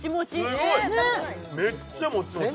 すごいめっちゃもちもち